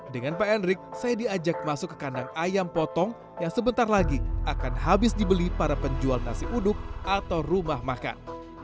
dengan pak endrik saya diajak masuk ke kandang ayam potong yang sebentar lagi akan habis dibeli para penjual nasi uduk atau rumah makan